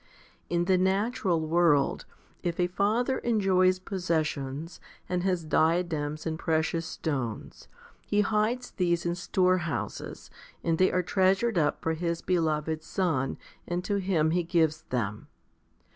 In the natural world, if a father enjoys possessions, and has diadems and precious stones, he hides these in storehouses, and they are treasured up for his beloved son, and to him he gives them.